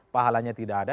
pahalanya tidak ada